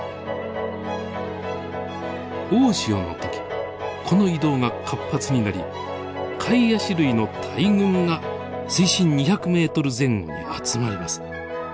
大潮の時この移動が活発になりカイアシ類の大群が水深２００メートル前後に集まります。